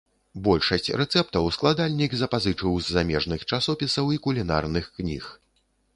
Большасць рэцэптаў складальнік запазычыў з замежных часопісаў і кулінарных кніг.